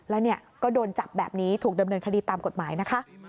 แล้วก็โดนจับแบบนี้ถูกดำเนินคดีตามกฎหมายนะคะ